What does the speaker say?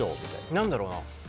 何だろうな。